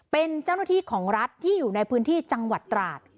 เป็นเจ้าหน้าที่ของรัฐที่อยู่ในพื้นที่จังหวัดตราด